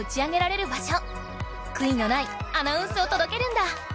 悔いのないアナウンスを届けるんだ！